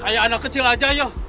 kayak anak kecil aja ya